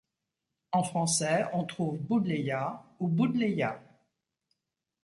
En français, on trouve buddleia ou buddleya.